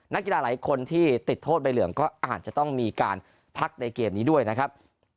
นักกีฬาหลายคนที่ติดโทษใบเหลืองก็อาจจะต้องมีการพักในเกมนี้ด้วยนะครับ